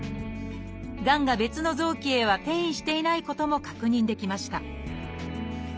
がんが別の臓器へは転移していないことも確認できました